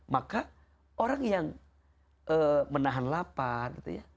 maka orang yang menahan lapar